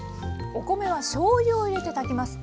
お米はしょうゆを入れて炊きます。